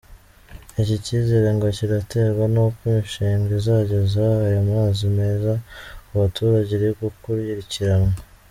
Icyi kizere ngo kiraterwa nuko imishinga izageza aya mazi meza ku baturage iri gukurikiranwa.